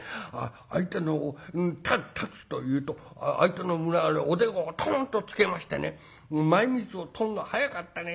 相手の立つというと相手のおでこをトンとつけましてね前褌を取るの速かったね。